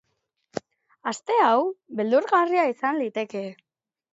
Aste hau beldurgarria izan liteke.